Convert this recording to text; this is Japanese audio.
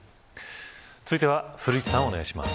続いては古市さんお願いします。